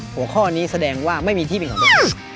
หัวข้อนี้แสดงว่าไม่มีที่เป็นของตัวเอง